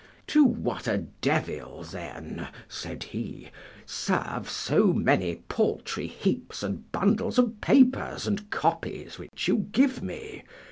To what a devil, then, said he, serve so many paltry heaps and bundles of papers and copies which you give me?